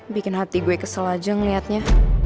bikin hati gue kesela aja ngeliatnya